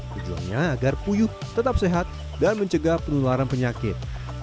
tujuannya agar puyuh tetap sehat dan mencegah penularan penyakit